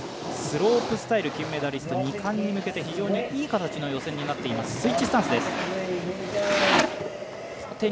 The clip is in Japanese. スロープスタイル金メダリスト２冠に向けていい形の予選になっています。